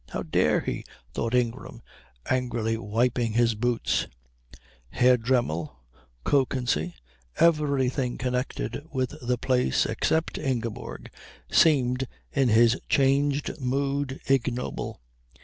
How dare he? thought Ingram, angrily wiping his boots. Herr Dremmel, Kökensee, everything connected with the place except Ingeborg, seemed in his changed mood ignoble.